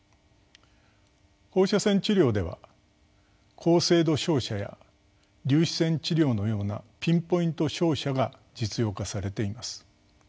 放射線治療では高精度照射や粒子線治療のようなピンポイント照射が実用化されています。